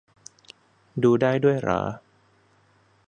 ดูได้ด้วยเหรอ